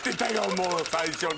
もう最初に。